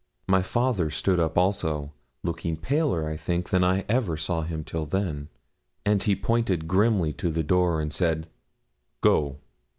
My father stood up also, looking paler, I think, than I ever saw him till then, and he pointed grimly to the door, and said, 'Go.'